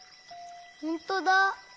ほんとだ！